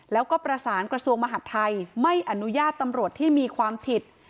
แล้วก็ประสานกระทรวงมหาดไทยไม่อนุญาตตำรวจที่มีความผิด